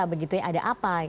begitunya ada apa